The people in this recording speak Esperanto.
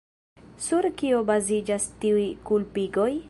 Sur kio baziĝas tiuj kulpigoj?